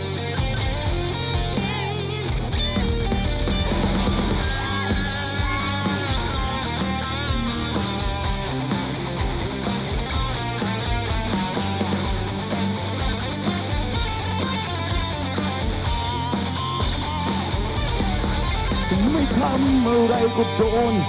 ถึงไม่ทำอะไรก็โดน